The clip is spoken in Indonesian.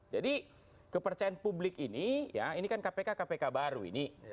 kepercayaan publik ini ya ini kan kpk kpk baru ini